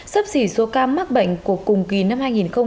sấp xỉ số ca mắc bệnh của cùng kỳ năm hai nghìn một mươi tám